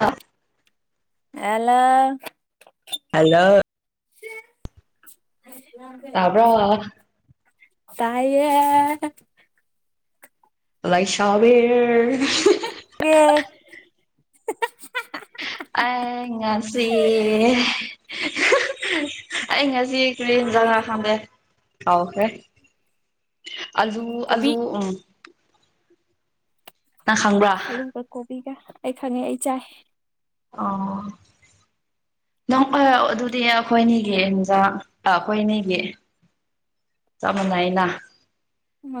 ꯑ hello hello ꯇꯥꯕ꯭ꯔꯣ ꯇꯥꯏꯌꯦꯦ ꯑꯥꯏꯁꯕꯔ ꯑ ꯉꯁꯤ ꯉꯁꯤ ꯀ ꯀꯒꯥ ꯈꯪꯗꯦ ꯍꯥꯎ ꯍꯦ ꯑꯜꯂꯨ ꯑꯂꯨ ꯀꯣꯕꯤ ꯎꯝ ꯅꯪ ꯈꯪꯕ꯭ꯔꯥ ꯒ ꯑꯩ ꯈꯪꯉꯤ ꯑꯩ ꯆꯥꯏ ꯑꯣ ꯅꯪ ꯑꯗꯨꯗꯤ ꯑꯩꯈꯣꯏꯅꯤꯒꯤ ꯏꯖꯥ ꯑꯩꯈꯣꯏꯅꯤꯒꯤ ꯆꯞ ꯃꯥꯟꯅꯩꯅ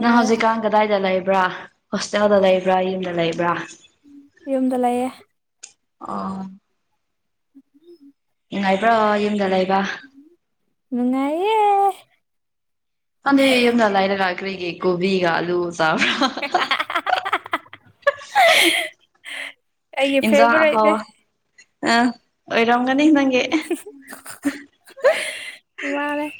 ꯅꯪ ꯍꯧꯖꯤꯛꯀꯥꯟ ꯀꯗꯥꯏꯗ ꯂꯩꯕ ꯭ꯔ ꯍꯣꯁꯇꯦꯜꯗ ꯂꯩꯕ꯭ꯔꯥ ꯌꯨꯝꯗ ꯂꯩꯕ꯭ꯔꯥ ꯌꯨꯝꯗ ꯂꯩꯌꯦ ꯑꯥ ꯎꯝ ꯅꯨꯡꯉꯥꯏꯕ꯭ꯔꯥ ꯌꯨꯝꯗ ꯂꯩ ꯅꯨꯡꯉꯥꯏꯦ ꯑꯗꯦ ꯌꯗ ꯂꯥꯏꯔꯒꯥꯀꯔꯤꯒꯤ ꯀꯣꯕꯤꯤꯒ ꯑꯂꯨ ꯁꯥꯕ꯭ꯔꯥ ꯑꯩꯒꯤ ꯏꯖ ꯍꯥꯎ ꯐꯦꯚꯣꯔꯥꯏꯠꯅꯦ ꯑ ꯑꯣꯏꯔꯒꯅꯤꯪ ꯃꯥꯅꯦꯦ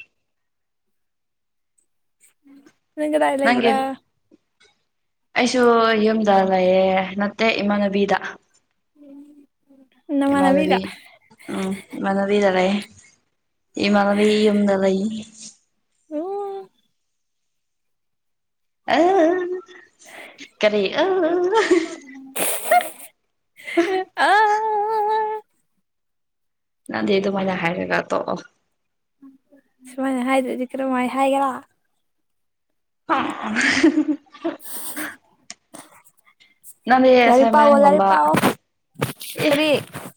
ꯀꯦꯗꯥꯑ ꯂꯩ ꯅꯪꯒꯤ ꯏꯕ꯭ꯔ ꯑꯩꯁꯨ ꯌꯨꯝꯗ ꯂꯩꯌꯦꯦ ꯅꯠꯇꯦ ꯏꯃꯥꯟꯅꯕꯤꯗ ꯅꯃꯥꯟꯅꯕꯤꯒ ꯏꯃꯥꯟꯅꯕꯤ ꯎꯝ ꯏꯃꯥꯟꯕꯤ ꯇꯔꯦ ꯑꯩ ꯃꯅꯗꯨꯝꯗ ꯂꯩ ꯎꯝ ꯑ ꯀꯔꯤ ꯑ ꯑ ꯅꯪꯗꯤ ꯑꯗꯨꯃꯥꯏꯅ ꯍꯥꯏꯔꯒ ꯇꯣꯛꯑꯣ ꯁꯨꯃꯥꯏꯅ ꯍꯥꯏꯗꯖꯤ ꯀ꯭ꯔ ꯃꯥꯏ ꯍꯥꯏꯒ꯭ꯔꯥ ꯑ ꯅꯪꯗꯤ ꯂꯥꯏꯔꯤꯛ ꯄꯥꯎꯋꯣ ꯂꯥꯏꯔꯤꯛ ꯑꯁꯃꯟꯒꯝꯕ ꯄꯥꯎꯋꯣ ꯑꯦ ꯀꯔꯤ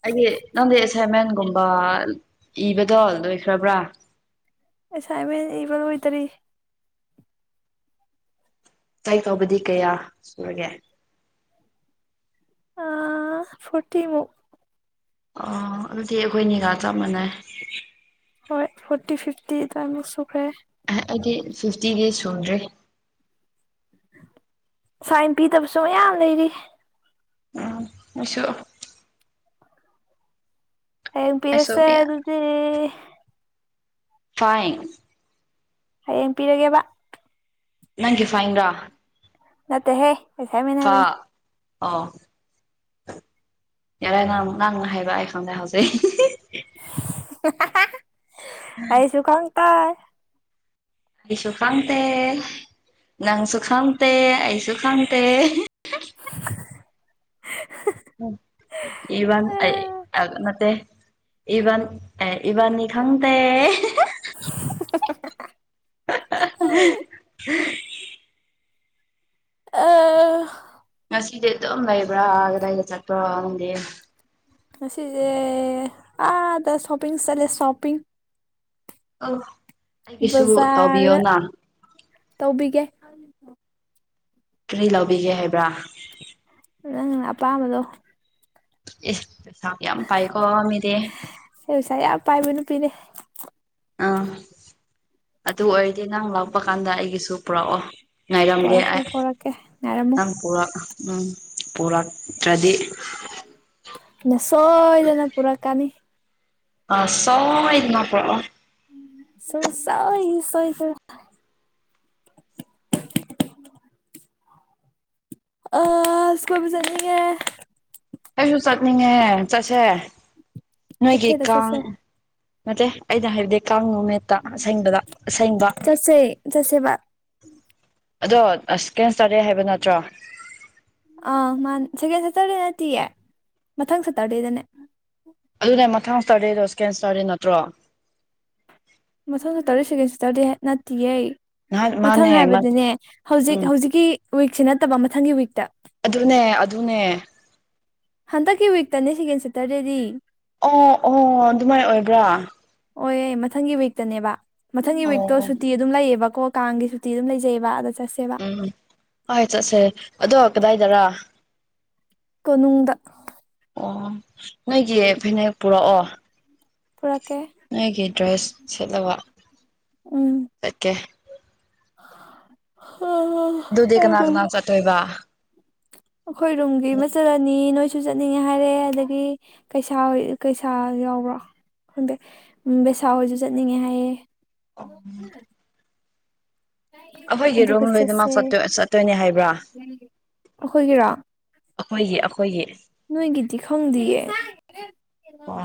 ꯑꯩꯒꯤ ꯅꯪꯗꯤ ꯑꯦꯁꯥꯏꯟꯃꯦꯟꯒꯨꯝꯕ ꯏꯕꯗꯣ ꯂꯣꯏꯈ꯭ꯔꯕ꯭ꯔꯥ ꯑꯦꯁꯥꯏꯃꯦꯟ ꯏꯕ ꯑꯣꯏꯗꯔ꯭ꯤ꯫ ꯆꯍꯤ ꯐꯥꯎꯕꯗꯤ ꯀꯌꯥ ꯁꯨꯔꯒꯦ ꯑ ꯐꯣꯔꯇꯤ ꯃꯨꯛ ꯑꯣ ꯑꯗꯨꯗꯤ ꯑꯩꯈꯣꯏ ꯅꯤꯒꯥꯥ ꯆꯞ ꯃꯥꯅꯥꯔꯦ ꯍꯣꯏ ꯐꯣꯔꯇꯤ ꯐꯤꯐꯇꯤ ꯑꯗꯨꯋꯥꯏ ꯃꯨꯛ ꯁꯨꯈ꯭ꯔꯦ ꯑꯩꯗꯤ ꯐꯤꯐꯇꯤꯗꯤ ꯁꯨꯗ꯭ꯔꯦ ꯁꯥꯏꯟ ꯄꯤꯗꯕꯁꯨ ꯃꯌꯥꯝ ꯂꯩꯔꯤ ꯎꯝ ꯑꯩꯁꯨ ꯍꯥꯌꯦꯡ ꯑꯩꯁꯨ ꯄꯤꯔꯁꯦ ꯑꯗꯨꯗꯤ ꯐꯥꯏꯅ ꯍꯌꯦꯡ ꯄꯤꯔꯒꯦꯕ ꯅꯪ ꯐꯥꯏꯟ ꯔꯥ ꯅꯠꯇꯦ ꯍꯦ ꯑꯁꯁꯥꯟꯃꯦꯟꯠ ꯍꯥꯏꯕꯅꯦ ꯑꯣ ꯌꯥꯔꯥꯏ ꯉꯪꯅ ꯍꯥꯏꯕ ꯑꯩ ꯈꯪꯗꯦ ꯍꯧꯖꯤꯛ ꯑꯩꯁꯨ ꯈꯪ ꯇꯔ꯭ꯦ ꯑꯩꯁꯨ ꯀꯝ ꯇ ꯅꯪꯁꯨ ꯈꯪꯇꯦ ꯑꯩꯁꯨ ꯈꯪꯇꯦ꯫ ꯎꯝ ꯏ ꯋꯥꯟ ꯃꯦ ꯅꯠꯇꯦ ꯏꯕꯥ ꯑꯦ ꯏꯕꯥꯅꯤ ꯈ ꯇ [inaudible] [unintelligible] ꯑ ꯉꯗꯤ ꯑꯗꯨꯝ ꯂꯩꯕ꯭ꯔꯥ ꯀꯗꯥꯏꯗꯥ ꯆꯠꯄ꯭ꯔꯣ ꯈꯪꯗꯦ ꯉꯁꯤꯁꯦ ꯑꯗ ꯁꯣꯄꯤꯡ ꯆꯠꯂꯦ ꯁꯣꯄꯤꯡ ꯑ ꯑꯩꯒꯤꯁꯨ ꯕꯖꯥꯔꯗ ꯇꯧꯕꯤꯌꯣꯅ ꯇꯧꯕꯤꯒꯦ ꯀꯔꯤ ꯂꯧꯕꯤꯒꯦ ꯍꯥꯏꯕ꯭ꯔꯥ ꯅꯪ ꯑꯄꯥꯝꯕꯗꯣ ꯌꯥꯝ ꯄꯥꯏꯀꯣ ꯃꯤꯗꯤ ꯐꯔ ꯑꯥ ꯑꯗꯨ ꯑꯣꯏꯔꯗꯤ ꯅꯪ ꯂꯥꯛꯄ ꯀꯥꯟꯗ ꯑꯩꯒꯤꯁꯨ ꯄꯨꯔꯛꯑꯣ ꯉꯥꯏꯔꯝꯒꯦ ꯄꯣꯔꯛꯀꯦ ꯑꯩ ꯄꯣꯔꯛꯀꯦ ꯉꯥꯏꯔꯝꯃꯨ ꯅꯪ ꯄꯨꯔꯛ ꯎꯝ ꯄꯨꯔꯛꯇ꯭ꯔꯗꯤ ꯑꯩꯅꯥ ꯁꯣꯏꯗꯅ ꯄꯨꯔꯛ ꯀꯅꯤ ꯑꯥ ꯁꯣꯏꯗꯅꯥ ꯄꯨꯔꯥꯛ ꯑꯣ ꯁꯨꯡ ꯁꯣꯏ ꯁꯣꯏꯗꯅꯥ ꯑꯁ ꯀꯣꯏꯕꯥ ꯆꯠꯅꯤꯡꯉꯦ ꯑꯩꯁꯨ ꯆꯠꯅꯤꯡꯉꯦ ꯆꯠꯁꯦ ꯅꯣꯏꯒꯤ ꯀꯦꯐꯦꯗ ꯀꯥꯡ ꯆꯠꯁꯦ ꯅꯠꯇꯦ ꯑꯩꯅꯥ ꯍꯥꯏꯕꯥꯗꯤ ꯀꯥꯡ ꯅꯨꯃꯤꯠꯇ ꯑꯁꯦꯡꯕꯗꯥ ꯑꯁꯦꯡꯕ ꯆꯠꯁꯦ ꯆꯠꯁꯦꯕ ꯑꯗꯣ ꯑꯁ ꯀꯦꯟꯁꯇꯔꯗꯦ ꯍꯥꯏꯕ ꯅꯠꯇ꯭ꯔꯣ ꯑꯥ ꯃꯥ ꯁꯦꯀꯦꯟ ꯁꯦꯇꯔꯗꯦ ꯅꯠꯇꯦꯌꯦ ꯃꯊꯪ ꯁꯦꯇꯔꯗꯦꯗꯅꯦ ꯑꯗꯨꯅꯦ ꯃꯊꯪ ꯏꯁꯇꯥꯔꯗꯦꯗꯣ ꯁꯀꯦꯟ ꯏꯁꯇꯥꯔꯗꯦ ꯅꯠꯇ꯭ꯔꯣ ꯃꯊꯪꯗ ꯁꯇꯨꯔꯗꯥꯏ ꯁꯤꯀꯦꯟ ꯁꯇꯨꯔꯗꯤꯏ ꯅꯠꯇꯤꯌꯦ ꯅꯍꯥꯟ ꯃꯊꯪ ꯃꯥꯅꯦ ꯍꯥꯏꯕꯗꯤꯅꯦ ꯎꯝ ꯍꯧꯖꯤꯛ ꯍꯧꯖꯤꯛꯀꯤ ꯋꯤꯛꯁꯤ ꯅꯠꯇꯕ ꯃꯊꯪꯒꯤ ꯋꯤꯛꯇ ꯑꯗꯨꯅꯦ ꯑꯗꯨꯅꯦ ꯍꯟꯗꯛꯀꯤ ꯋꯤꯛ ꯇꯥꯅꯦ ꯁꯤꯀꯦꯟ ꯁꯇꯔꯗꯦꯗꯤ ꯑꯣ ꯑꯣ ꯑꯗꯨꯃꯥꯏꯅ ꯑꯣꯏꯕ꯭ꯔꯥ ꯑꯣꯏꯌꯦ ꯃꯊꯪꯒꯤ ꯋꯤꯛꯇꯅꯦꯕ ꯃꯊꯪꯒꯤ ꯋꯤꯛꯇꯣ ꯑꯣ ꯁꯨꯇꯤ ꯑꯗꯨꯝ ꯂꯩꯌꯦꯕꯀꯣ ꯀꯥꯡꯒꯤ ꯁꯨꯇꯤ ꯑꯗꯨꯝ ꯂꯩꯖꯩꯕ ꯑꯗ ꯆꯠꯁꯦꯕ ꯎꯝ ꯍꯣꯏ ꯆꯠꯁꯦ ꯑꯗꯣ ꯀꯗꯥꯏꯗꯔ ꯀꯣꯅꯨꯡꯗ ꯑꯣ ꯅꯣꯏꯒꯤ ꯐꯤꯅꯦꯛ ꯄꯨꯔꯛꯑꯣ ꯄꯨꯔꯀꯦ ꯅꯣꯏꯒꯤ ꯗ꯭ꯔꯦꯁ ꯁꯦꯠꯂꯕ ꯎꯝ ꯑꯣ ꯑꯗꯨꯗꯤ ꯀꯅꯥ ꯀꯅꯥ ꯆꯠꯇꯣꯏꯕ ꯍ ꯑꯩꯈꯣꯏ ꯔꯨꯝꯒꯤ ꯃꯆꯜ ꯑꯅꯤ ꯅꯣꯏ ꯁꯨ ꯆꯠꯅꯤꯡꯉꯦ ꯍꯥꯏꯔꯛꯑꯦ ꯑꯗꯒꯤ ꯀꯩꯁꯥ ꯀꯩꯁꯥ ꯌꯥꯎꯕ꯭ꯔꯥ ꯎꯝ ꯕꯦꯁꯥ ꯍꯣꯏꯁꯨ ꯆꯠꯅꯤꯡꯉꯦ ꯍꯥꯏꯌꯦꯦ ꯑꯩꯈꯣꯏꯒꯤ ꯔꯨꯝ ꯂꯣꯏꯅꯃꯛ ꯆꯠꯁꯦ ꯆꯠꯇꯣꯏꯅꯦ ꯍꯥꯏꯕ꯭ꯔꯥ ꯑꯩꯈꯣꯏꯒꯤꯔꯣ ꯑꯩꯈꯣꯏꯒꯤ ꯑꯩꯈꯣꯏꯒꯤ ꯇꯈꯪꯗꯌꯦ ꯋꯥ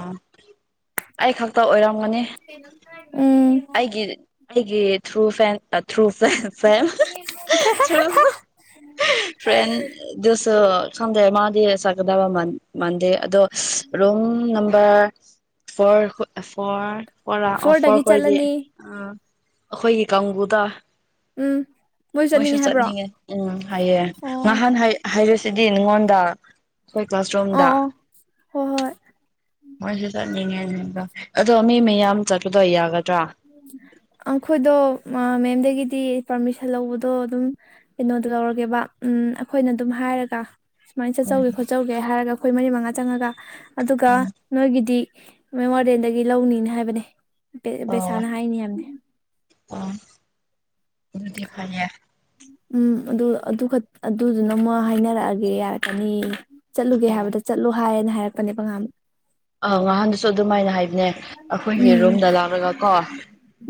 ꯑꯩ ꯈ ꯎꯝ ꯑꯩꯒꯤ ꯑꯩꯒꯤ ꯊ꯭ꯔꯨ ꯐꯦꯟ ꯊ꯭ꯔꯨ ꯁ ꯐ ꯊ꯭ꯔꯨ ꯐ꯭ꯔꯦꯟꯦꯟ ꯁꯣ ꯈꯪꯗꯦ ꯃꯥꯗꯤ ꯆꯀꯗꯕ ꯃꯥꯟꯗꯦ ꯑꯗꯣ ꯔꯝ ꯑꯣꯔ ꯑꯣꯐꯔ ꯑꯣꯐꯔ ꯐꯣꯔꯗꯒꯤ ꯈꯗꯤ ꯆꯠꯂꯅꯤ ꯑ ꯑꯩꯈꯣꯏꯒꯤ ꯀꯥꯡꯕꯨꯗ ꯎꯝ ꯃꯣꯏꯁꯨ ꯆꯠꯅꯤꯡꯉꯦ ꯎꯝ ꯍꯥꯏꯌꯦꯦ ꯑꯣ ꯉꯍꯥꯟ ꯍꯥꯏꯔꯁꯤ ꯁꯤꯗꯤ ꯅꯉꯣꯟꯗ ꯑꯩꯈꯣꯏ ꯑꯣ ꯀ꯭ꯂꯥꯁꯔꯨꯝꯗ ꯑꯣ ꯍꯣꯏ ꯍꯣꯏ ꯃꯣꯏꯁꯨ ꯆꯠꯅꯤꯡꯉꯦ ꯑꯗꯣ ꯃꯤ ꯃꯌꯥꯝ ꯆꯠ ꯑꯩꯈꯣꯏꯗ ꯃꯦꯝꯗꯒꯤ ꯁꯤ ꯄꯔꯃꯤꯁꯟ ꯂꯧꯕꯗꯣ ꯑꯗꯨꯝ ꯀꯩꯅꯣꯗꯣ ꯂꯧꯔꯒꯦꯕ ꯎꯝ ꯑꯩꯈꯣꯏꯅ ꯑꯗꯨꯝ ꯍꯥꯏꯔꯒ ꯁꯨꯃꯥꯏꯅ ꯎꯝ ꯆꯠꯆꯧꯒꯦ ꯈꯣꯠꯆꯧꯒꯦ ꯍꯥꯏꯔꯒ ꯑꯩꯈꯣꯏ ꯃꯔꯤ ꯃꯉꯥ ꯆꯪꯉꯒ ꯑꯗꯨꯒ ꯎꯝ ꯅꯣꯏꯒꯤꯗꯤ ꯃꯦꯃꯣꯔꯤꯌꯦꯜꯗꯒꯤ ꯂꯧꯅꯤꯅ ꯍꯥꯏꯕꯅꯦ ꯑꯣ ꯕꯦꯁꯥꯅ ꯍꯥꯏꯅꯤ ꯌꯥꯝꯅꯦ ꯑꯣ ꯑꯗꯨꯗꯤ ꯐꯦ ꯎꯝ ꯑꯗꯨ ꯑꯗꯨꯗꯨꯅ ꯑꯃ ꯍꯥꯏꯅꯔꯛꯑꯒꯦ ꯌꯥꯔꯀꯅꯤ ꯆꯠꯂꯨꯒꯦ ꯍꯥꯏꯕꯗ ꯆꯠꯂꯣ ꯍꯥꯏꯌꯦꯅ ꯍꯥꯏꯔꯛꯄꯅꯦꯕꯉꯥꯝ ꯑ ꯉꯍꯥꯟꯗꯨꯁꯨ ꯑꯗꯨꯃꯥꯏꯅ ꯍꯥꯏꯕꯅꯦ ꯑꯩꯈꯣꯏꯒꯤ ꯎꯝ ꯔꯨꯝꯗ ꯂꯥꯛꯂꯒ ꯀꯣ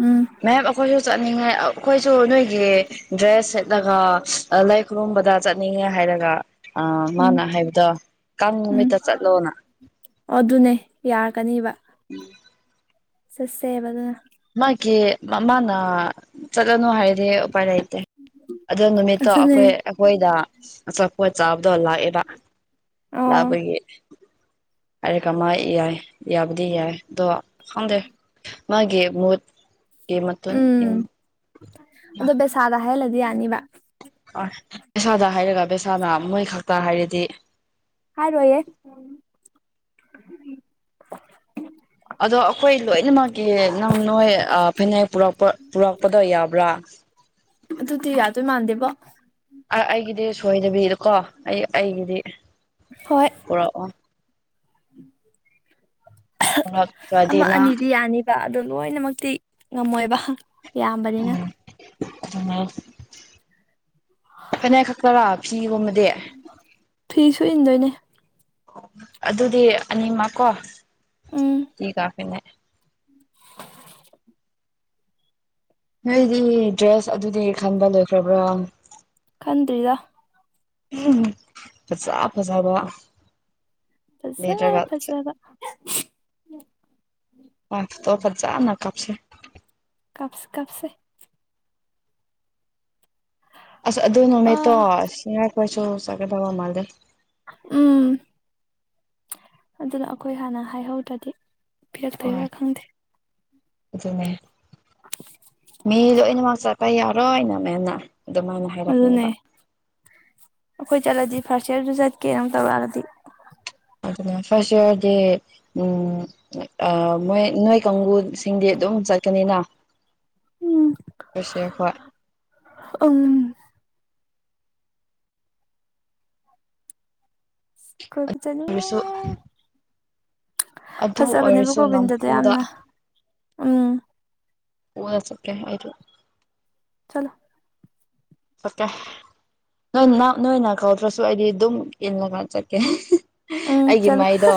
ꯎꯝ ꯃꯌꯥꯝ ꯑꯩꯈꯣꯏ ꯆꯠꯅꯤꯡꯉꯥꯏ ꯑꯩꯈꯣꯏꯁꯨ ꯅꯣꯏꯒꯤ ꯗ꯭ꯔꯦꯁ ꯁꯦꯠꯂꯒ ꯂꯥꯏ ꯈꯨꯔꯨꯝꯕꯗ ꯆꯠꯅꯤꯡꯉꯦ ꯍꯥꯏ ꯍꯥꯏꯔꯒ ꯑ ꯎꯝ ꯃꯥꯅ ꯍꯥꯏꯕꯗ ꯀꯥꯡ ꯎꯝ ꯅꯨꯃꯤꯠꯇ ꯆꯠꯂꯣꯅ ꯑꯗꯨꯅꯦ ꯌꯥꯔꯀꯅꯤꯕ ꯎꯝ ꯁꯠꯦꯕꯒ ꯀ ꯃꯃꯥꯅ ꯆꯠꯂꯅꯨ ꯍꯥꯏꯔꯗꯤ ꯎꯄꯥꯏ ꯂꯩ ꯑꯗꯣ ꯅꯨꯃꯤꯠꯇꯣ ꯑꯗꯨꯅꯦ ꯑꯩꯈꯣꯏ ꯑꯩꯈꯣꯏꯗ ꯑꯆꯥꯄꯣꯠ ꯆꯥꯕꯗꯣ ꯂꯥꯛꯑꯦꯕ ꯑꯣ ꯂꯥꯕꯒꯤ ꯍꯥꯏꯔ ꯀꯃꯥꯏ ꯌꯥꯏ ꯌꯥꯕꯨꯗꯤ ꯌꯥꯏ ꯑꯗꯣ ꯈꯪꯗꯦ ꯃꯥꯒꯤ ꯃꯨꯠꯀꯤ ꯃꯇꯨꯡ ꯏ ꯎꯝ ꯑꯗꯣ ꯦꯁꯗ ꯍꯥꯏꯗꯤ ꯌꯥꯅꯤꯕ ꯑ ꯄꯕꯦꯁꯥꯗ ꯍꯥꯏꯔꯒ ꯄꯕꯦꯁꯥꯅ ꯃꯣꯏ ꯈꯛꯇ ꯍꯥꯏꯔꯗꯤ ꯍꯥꯥ ꯔꯣꯑ ꯑꯗꯣ ꯑꯩꯈꯣꯏ ꯂꯣꯏꯅꯃꯛꯀꯤ ꯅꯪ ꯅꯣꯏ ꯐꯅꯦꯛ ꯄꯨꯔꯛꯄ ꯄꯨꯔꯛꯄꯗꯣ ꯌꯥꯕ꯭ꯔꯥ ꯑꯗꯨꯗꯤ ꯌꯥꯗꯨ ꯃꯥꯥꯟꯗꯦꯕꯣ ꯑꯩꯒꯤꯗꯤ ꯁꯣꯏꯗꯕꯤꯗꯀꯣ ꯑꯩ ꯑꯩꯒꯤꯗꯤ ꯍꯣꯏ ꯄꯨꯔꯛꯑꯣ ꯄꯨꯔꯛꯇ꯭ꯔꯗꯤ ꯑꯃ ꯅꯪ ꯑꯅꯤꯗꯤ ꯌꯥꯅꯤꯕ ꯑꯗꯨ ꯂꯣꯏꯅꯃꯛꯇꯤ ꯉꯝꯃꯣꯏꯕ ꯏꯕꯅꯤꯅ ꯎ ꯐꯅꯦꯛ ꯈꯛꯇꯔꯥ ꯐꯤꯒꯨꯝ ꯐꯤ ꯁ ꯏꯟꯗꯣꯏꯅꯦ ꯑꯗꯨꯗꯤ ꯑꯅꯤꯃꯛ ꯀꯣ ꯎꯝ ꯐꯤ ꯀꯥ ꯐꯦꯅꯦ [inaudible] ꯅꯣꯏꯗꯤ ꯗ꯭ꯔꯦꯁ ꯑꯗꯨꯗꯤ ꯈꯟꯕ ꯂꯣꯏꯈ꯭ꯔꯕ꯭ꯔꯥ ꯈꯟꯗ꯭ꯔꯤꯗ ꯐꯖꯥ ꯐꯖꯕ ꯐꯁ ꯂꯩꯔꯒ ꯐꯁꯕ ꯋꯥ ꯇ ꯐꯖꯥ ꯅ ꯀꯞꯁ ꯀꯞꯁ ꯀꯞꯁꯦ ꯑꯁ ꯑꯗꯨ ꯑ ꯅꯃꯤꯠꯇꯣ ꯁꯤꯉ ꯀꯣꯏꯁꯨ ꯆꯒꯗꯕ ꯃꯥꯜꯗꯦ ꯎꯝ ꯑꯗꯨꯅ ꯑꯩꯈꯣꯏ ꯍꯥꯟꯅ ꯍꯥꯏꯍꯧꯗ꯭ꯔꯗꯤ ꯄꯤꯔ ꯍꯣꯏ ꯄꯔ ꯈꯪꯗꯦ ꯑꯗꯨꯅꯦ ꯃꯤ ꯂꯣꯏꯅꯃꯛ ꯆꯠꯄ ꯌꯥꯔꯣꯏꯅ ꯃꯦꯝꯅ ꯑꯗꯨꯃꯥꯏꯅ ꯑꯗꯨꯅꯦ ꯍꯥꯏꯔꯛꯄꯅꯦꯕ ꯑꯩꯈꯣꯏ ꯆꯠꯂꯗꯤ ꯐꯔꯁꯔꯁꯨ ꯆꯠꯀꯦ ꯑꯗꯨ ꯇꯧꯔꯛꯑꯗꯤ ꯑꯗꯨꯅ ꯐꯥꯔꯁ ꯏꯌꯥꯔꯗꯤ ꯃꯣꯏ ꯅꯣꯏ ꯀꯥꯡꯕꯨꯨꯁꯤꯡꯗꯤ ꯑꯗꯨꯝ ꯆꯠꯀꯅꯤꯅ ꯎꯝ ꯀꯁꯦ ꯈ ꯎꯝ ꯀꯣꯏꯕꯨ ꯆꯅꯤꯡꯉꯦ ꯑꯣꯏꯔꯁꯨ ꯑꯗꯨ ꯑꯣꯏꯔꯁꯨ ꯒꯣꯕꯤꯟꯗꯗꯣ ꯅꯝꯐꯨꯗ ꯌꯥꯝꯅ ꯎꯝ ꯄ ꯆ ꯍꯥꯏꯨ ꯆꯂꯣ ꯑꯣꯀ ꯅꯣꯏ ꯅꯣꯏꯅ ꯀꯧꯗ꯭ꯔꯁꯨ ꯑꯩꯗꯤ ꯑꯗꯨꯝ ꯏꯜꯂꯒ ꯆꯠꯀꯦ ꯎꯝ ꯑꯩꯒꯤ ꯆꯠꯂꯣ ꯃꯥꯏꯗꯣ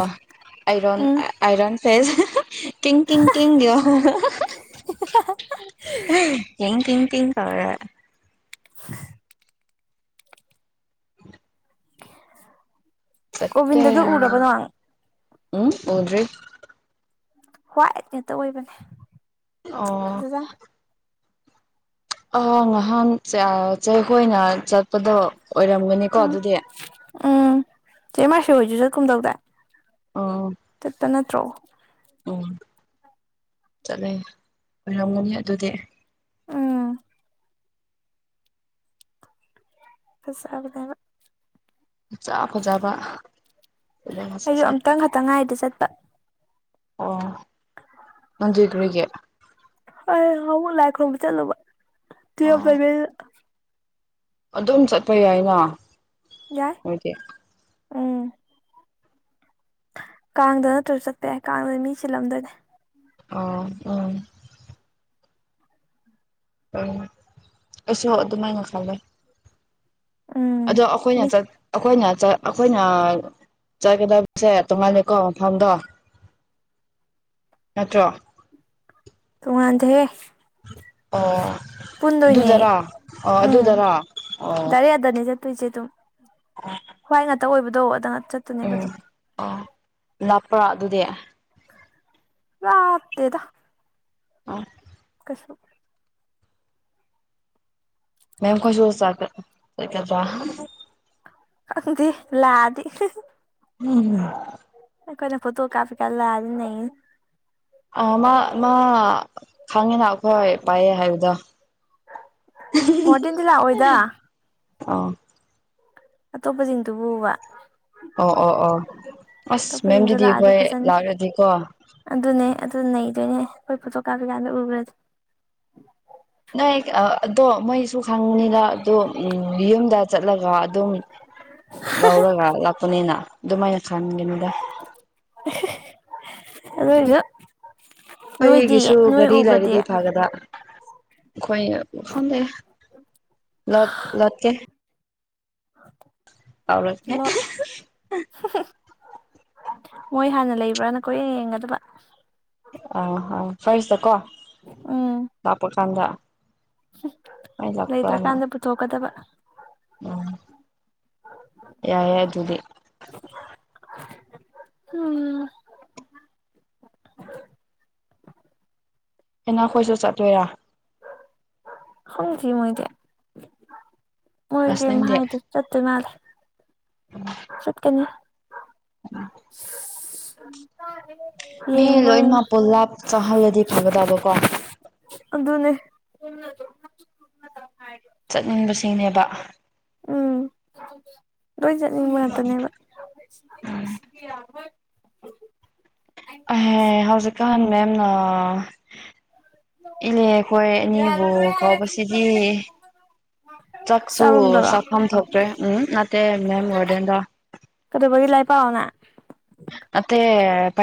ꯑꯥꯏꯔꯣꯟ ꯎꯝ ꯑꯥꯏꯔꯣꯟ ꯐꯦꯁ ꯡꯡ ꯀꯡ ꯗꯋꯥꯍꯡꯡ ꯇ ꯀꯔꯦ [inaudible] ꯐꯠꯇꯦ ꯒꯣꯕꯤꯟꯗꯗꯣ ꯎꯔꯕ ꯅꯪ ꯎꯝ ꯍꯗ꯭ꯔꯤ ꯍ꯭ꯋꯥꯏꯠ ꯉꯥꯛꯇ ꯑꯣꯏꯕꯅꯦ ꯑꯣ ꯐꯖꯖꯥꯠꯅꯤ ꯑ ꯉꯍꯥꯟ ꯆꯩꯈꯣꯏꯅ ꯆꯠꯄꯗꯣ ꯑꯣꯏꯔꯝꯒꯅꯤꯀꯣ ꯎꯝ ꯑꯗꯨꯗꯤ ꯎꯝ ꯆꯦ ꯃꯥꯁꯤ ꯍꯣꯏꯖ ꯆꯠ ꯀꯨꯝꯗꯧꯗ ꯑꯣ ꯇ ꯅꯠꯇ꯭ꯔꯣ ꯎꯝ ꯆꯠꯂꯦ ꯑꯣꯏꯔꯝꯒꯅꯤ ꯑꯗꯨꯗꯤ ꯎꯝ ꯑꯁꯕꯗꯅ ꯆꯥ ꯐꯖꯕ ꯑꯩꯁꯨ ꯑꯝꯇꯪ ꯈꯛꯇ ꯉꯥꯏꯗ ꯆꯠꯄ ꯑꯣ ꯃꯟꯖꯒꯨꯔꯤꯒꯤ ꯍꯧ ꯂꯥꯏ ꯈꯨꯔꯣꯡꯕ ꯆꯠꯂꯨꯕ ꯇꯨꯌꯦ ꯑꯣ ꯑꯗꯨꯝ ꯆꯠꯄ ꯌꯥꯏꯅ ꯌꯥꯏ ꯃꯣꯏꯗꯤ ꯎꯝ ꯀꯥꯡꯗ ꯅꯠꯇ꯭ꯔꯁꯨ ꯆꯠꯄ ꯌꯥꯏ ꯀꯥꯡꯗꯗꯤ ꯃꯤ ꯆꯜꯂꯝꯗꯣꯏꯅꯦ ꯑ ꯎꯝ ꯎ ꯑꯁꯨ ꯑꯗꯨꯃꯥꯏ ꯉ ꯐꯜꯂꯦ ꯎꯝ ꯑꯗꯣ ꯑꯩꯈꯣꯏꯅ ꯃꯤ ꯆ ꯑꯩꯈꯣꯏꯅ ꯑꯩꯈꯣꯏꯅ ꯆꯠꯀꯗꯕꯁꯦ ꯇꯣꯡꯉꯥꯟꯂꯀꯣ ꯃꯐꯝꯗꯣ ꯅꯠꯇ꯭ꯔꯣ ꯊꯨꯡꯗꯦ ꯑꯣ ꯑꯗꯨꯗꯔꯥ ꯑꯣ ꯑꯗꯨꯗꯔꯥ ꯑꯣ ꯑꯗꯨꯏꯁꯦ ꯑꯗꯨꯝ ꯈ꯭ꯋꯥꯏ ꯉꯥꯛꯇ ꯑꯣꯏꯕꯗꯣ ꯑꯗ ꯉ ꯆꯠꯇꯨꯅꯦꯕ ꯑꯗꯨꯝ ꯄꯨ꯭ꯔꯣ ꯑꯗꯨꯗꯤ ꯍꯥꯇꯦꯗ ꯑ ꯀꯁꯨ ꯃꯦꯝ ꯈꯁꯨ ꯆ ꯆ ꯀꯗꯤ ꯂꯥꯗ ꯎꯝꯝ ꯀꯣꯏꯅ ꯐꯣꯇꯣ ꯀꯥꯐꯤ ꯀꯂꯗ ꯅ ꯑ ꯃꯥ ꯃꯥ ꯈꯪꯉꯤꯅ ꯑꯩꯈꯣꯏ ꯄꯥꯏꯑ ꯍꯥꯏꯕꯗ ꯃꯗꯟꯂ ꯍꯣꯏꯗ ꯑꯥ ꯑ ꯇꯣꯞꯄꯖꯤꯗꯨ ꯍꯨꯕ ꯑꯣ ꯑꯣ ꯑꯣ ꯑꯁ ꯑꯇꯣꯞꯄꯁꯤꯡꯗꯣ ꯃꯦꯝꯗꯨꯗꯤ ꯂꯥꯛꯑꯗꯤ ꯑꯩꯈꯣꯏ ꯐꯖꯅꯤ ꯂꯥꯛꯑꯗꯤꯀꯣ ꯑꯗꯨꯅꯦ ꯑꯗꯨ ꯅꯩꯗꯣꯏꯅꯦ ꯑꯩꯈꯣꯏ ꯐꯣꯇꯣ ꯀꯥꯞꯄ ꯀꯥꯟꯗ ꯎꯈ꯭ꯔꯗꯤ ꯅꯗꯣ ꯃꯣꯏ ꯁꯨ ꯈꯪꯅꯤꯅ ꯑꯗꯨꯣ ꯌꯨꯝꯗ ꯆꯠꯂꯒ ꯑꯗꯨꯝ ꯂꯧꯔꯒ ꯂꯥꯛꯄꯅꯤꯅ ꯑꯗꯨꯃꯥꯏꯅ ꯈꯪꯒꯅꯤꯗ ꯖ ꯑꯩꯒꯤꯁꯨ ꯒꯥꯔꯤ ꯂꯩꯔꯗꯤ ꯐꯒꯗ ꯈꯣꯏ ꯈꯗꯦ ꯂ ꯂꯗꯀꯦ ꯇꯧꯔꯒꯦ ꯂꯂꯣ ꯃꯣꯏ ꯍꯥꯟꯅ ꯂꯩꯕ꯭ꯔꯥꯅ ꯀꯣꯏ ꯍꯦꯅ ꯌꯦꯡꯒꯗꯕ ꯑꯥ ꯑꯥ ꯐꯔꯤꯁꯤꯗꯀꯣ ꯂꯥꯛꯄ ꯀꯥꯟꯗ ꯑꯩ ꯂꯩꯣꯏꯇ ꯂꯥꯛꯄ꯭ꯔꯥꯅ ꯀꯥꯟꯗ ꯄꯨ ꯊꯀꯗꯕ ꯎꯝ ꯌꯥ ꯌꯥꯏ ꯑꯗꯨꯗꯤ ꯎꯝ ꯍꯟꯅꯈꯣꯏꯁꯨ ꯆꯠꯇꯣꯏꯔꯥ ꯍꯪꯈꯤꯤ ꯃꯣꯏꯗ ꯍꯣꯏꯒꯦ ꯉꯁꯤꯗꯤ ꯍꯥꯏꯥꯏꯗꯤ ꯆꯠ ꯃꯥꯂꯦ ꯆꯠꯀꯅꯤ ꯑ ꯃꯤ ꯂꯣꯏꯃꯛ ꯄꯨꯜꯂꯥꯞ ꯆꯪꯍꯜꯂꯗꯤ ꯐꯒꯗꯕꯀꯣ ꯍꯥꯏ ꯆꯠꯅꯤꯡꯕꯁꯤꯡꯅꯦꯕ ꯎꯝ ꯂꯣꯏ ꯆꯠꯅꯤꯡꯕ ꯉꯥꯛꯇꯅꯦꯕ ꯑ ꯍꯧꯖꯤꯛꯀꯥꯟꯥꯟ ꯃꯦꯝꯅ ꯏꯂꯦ ꯑꯩꯈꯣꯏ ꯑꯅꯤꯕꯨ ꯌꯥꯔꯔꯣꯏ ꯍꯥꯏꯔꯗꯤ ꯀꯥꯎꯁꯤꯗꯤ ꯆꯥꯛꯁꯨ ꯆꯥꯔꯨꯝꯗꯔꯣ ꯆꯥꯐꯝ ꯊꯣꯛꯇ꯭ꯔꯦ ꯎꯝ ꯅꯠꯇꯦ ꯃꯦꯝ ꯒꯥꯔꯗꯦꯟꯗ ꯀꯔꯤꯕ ꯂꯥꯏ ꯄꯥꯎꯅ ꯑ